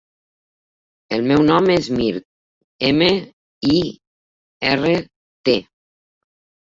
El meu nom és Mirt: ema, i, erra, te.